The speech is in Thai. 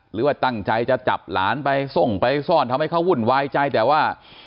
หรือว่าตั้งใจจะจับหลานไปส่งไปซ่อนทำให้เขาวุ่นวายใจแต่ว่า